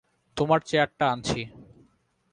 তোমার চেয়ারটা আনছি।